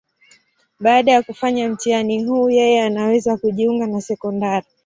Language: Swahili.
Baada ya kufanya mtihani huu, yeye anaweza kujiunga na sekondari.